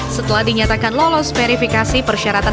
setelah dinyatakan lolos verifikasi persyaratan